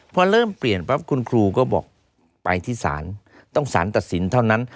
พอเริ่มเปลี่ยนปั๊บคุณครูก็บอกไปที่ศาลต้องสารตัดสินเท่านั้น